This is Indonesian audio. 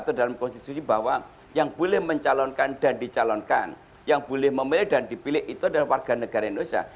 atau dalam konstitusi bahwa yang boleh mencalonkan dan dicalonkan yang boleh memilih dan dipilih itu adalah warga negara indonesia